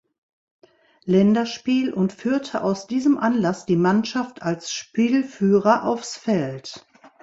Länderspiel und führte aus diesem Anlass die Mannschaft als Spielführer aufs Feld.